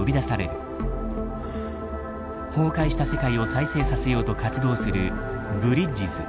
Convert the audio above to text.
崩壊した世界を再生させようと活動する「ブリッジズ」。